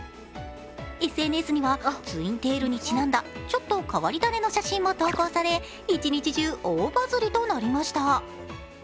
ＳＮＳにはツインテールにちなんだちょっと変わり種の写真も投稿され、一日中、大ハズりとなりました。